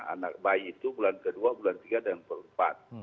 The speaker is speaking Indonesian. anak bayi itu bulan kedua bulan tiga dan keempat